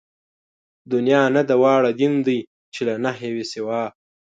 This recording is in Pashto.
دنيا نه ده واړه دين دئ چې له نَهېِ وي سِوا